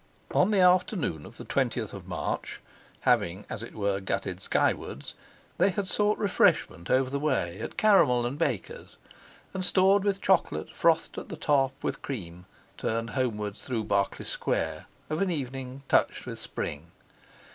On the afternoon of the 20th of March, having, as it were, gutted Skywards, they had sought refreshment over the way at Caramel and Baker's, and, stored with chocolate frothed at the top with cream, turned homewards through Berkeley Square of an evening touched with spring.